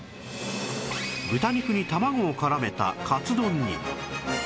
豚肉に卵を絡めたカツ丼に